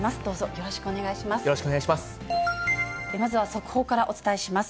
よろしくお願いします。